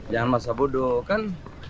jangan masa bodoh kan